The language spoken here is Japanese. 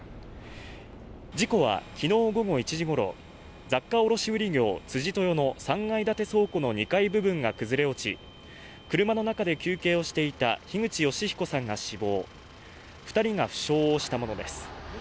事故はきのう午後１時ごろ雑貨卸売業辻豊の３階建て倉庫の２階部分が崩れ落ち車の中で休憩をしていた樋口善彦さんが死亡二人が負傷したものです